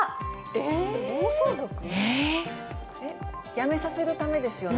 やめさせるためですよね？